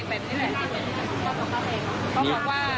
คุณแม่เขาก็คงไม่คิดว่า